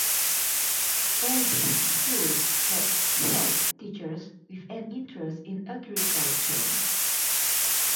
All these schools had head teachers with an interest in agriculture.